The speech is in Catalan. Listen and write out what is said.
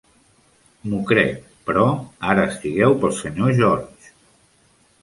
M'ho crec, però ara estigueu pel senyor George.